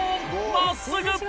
真っすぐ！